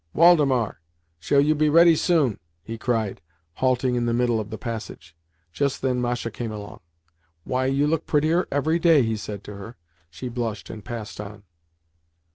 "Waldemar, shall you be ready soon?" he cried, halting in the middle of the passage. Just then Masha came along. "Why, you look prettier every day," he said to her. She blushed and passed on.